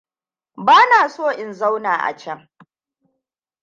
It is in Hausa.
Ba na so in zauna a can.